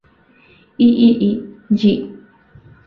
EEE, জি।